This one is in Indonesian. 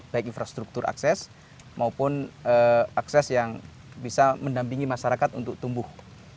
baik infrastruktur akses maupun akses yang bisa mendampingi masyarakat untuk tumbuh